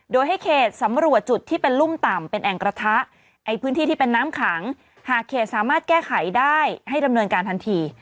โดยให้เขตสำรวจจุดที่เป็นรุ่มต่ำเป็นแอ่งกระทะไอ้พื้นที่ที่เป็นน้ำขังหากเขตสามารถแก้ไขได้ให้ดำเนินการทันที